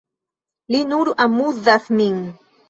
Li nur amuzas min.